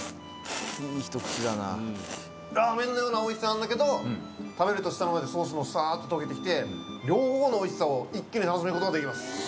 ラーメンのようなおいしさなんだけど食べると舌の上でソースもさっと溶けてきて両方のおいしさを一気に楽しむことができます。